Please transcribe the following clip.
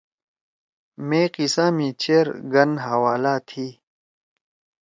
مے قصّہ می چیر گن حوالہ تھی